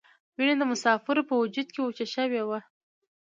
وینه د مسافرو په وجود کې وچه شوې وه.